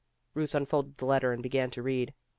'' Ruth unfolded the letter and began to read.